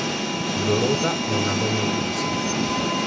Dorota è una donna in crisi.